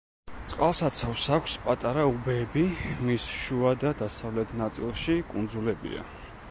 წყალსაცავს აქვს პატარა უბეები, მის შუა და დასავლეთ ნაწილში კუნძულებია.